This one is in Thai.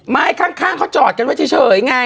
มาให้ข้างเขาจอดกันไว้เฉยค่ะ